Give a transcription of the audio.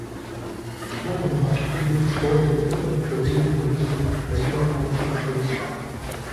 Lacking large studio support, the film was produced and distributed by Trimark Pictures.